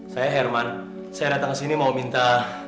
saya herman saya datang kesini mau minta